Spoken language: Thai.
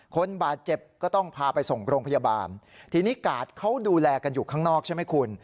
คนบาดเจ็บก็ต้องพาไปส่งโรงพยาบาลทีนี้กาดเขาดูแลกันอยู่ข้างนอกใช่ไหมคุณ